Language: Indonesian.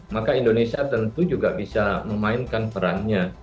maka indonesia tentu juga bisa memainkan perannya